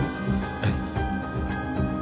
えっ？